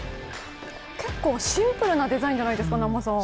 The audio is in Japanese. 結構シンプルなデザインじゃないですか。